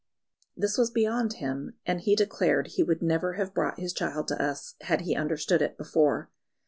This was beyond him; and he declared he would never have brought his child to us, had he understood it before.